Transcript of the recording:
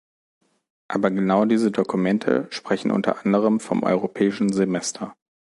Aber genau diese Dokumente sprechen unter anderem vom Europäischen Semester.